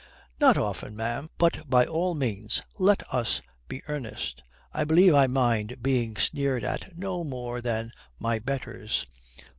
"Not often, ma'am. But by all means let us be earnest. I believe I mind being sneered at no more than my betters.